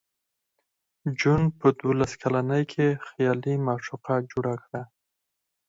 جون په دولس کلنۍ کې خیالي معشوقه جوړه کړه